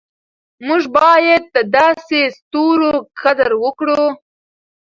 موږ باید د داسې ستورو قدر وکړو.